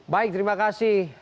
baik terima kasih